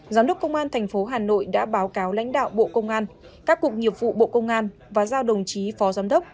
giám đốc công an tp hà nội đã báo cáo lãnh đạo bộ công an các cục nghiệp vụ bộ công an và giao đồng chí phó giám đốc